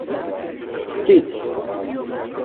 Steqsi-tt.